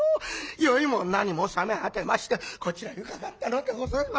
酔いも何も覚め果てましてこちらに伺ったのでございます。